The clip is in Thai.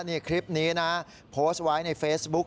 นี่คลิปนี้นะโพสต์ไว้ในเฟซบุ๊ก